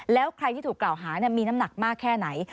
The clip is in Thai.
แล้วใครที่ถูกกล่าวหามีน้ำหนักมากแค่ไหน